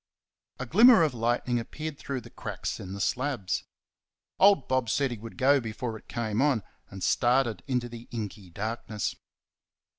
A glimmer of lightning appeared through the cracks in the slabs. Old Bob said he would go before it came on, and started into the inky darkness.